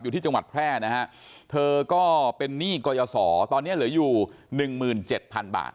ที่จังหวัดแพร่นะฮะเธอก็เป็นหนี้กรยศรตอนนี้เหลืออยู่๑๗๐๐๐บาท